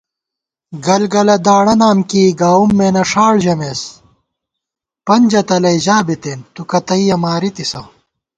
گل گلہ داڑہ نام کېئی گاؤم مېنہ ݭاڑہ ژَمېس * پنجہ تلَئ ژا بِتېن تُو کتّیَہ مارِتِسہ